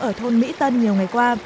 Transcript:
ở thôn mỹ tân nhiều ngày qua